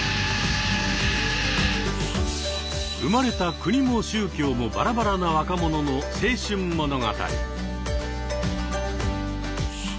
生まれた国も宗教もバラバラな若者の青春物語。